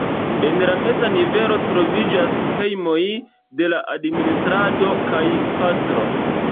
En la meza nivelo troviĝas hejmoj de la administrado kaj pastro.